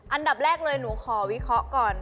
อันดับแรกเลยหนูขอวิเคราะห์ก่อน